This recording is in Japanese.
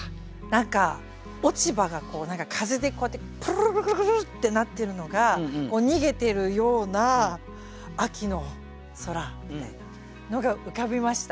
何か落ち葉が風でこうやってプルルルルッってなってるのが逃げてるような秋の空みたいなのが浮かびました。